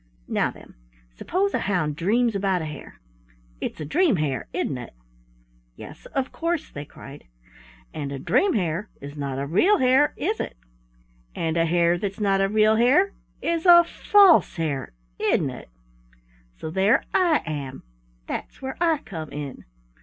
Now then, suppose a hound dreams about a hare? It's a dream hare, isn't it?" "Yes, of course," they cried. "And a dream hare is not a real hare, is it? And a hare that's not a real hare is a false hare, isn't it? So there I am. That's where I come in.